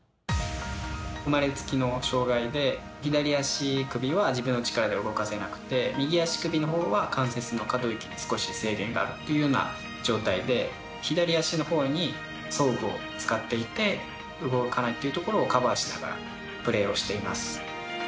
生まれつきの障がいで左足首は自分の力では動かせなくて右足首のほうは、関節の可動域に少し制限があるというような状態で左足のほうに装具を使っていて動かないところをカバーしながらプレーをしています。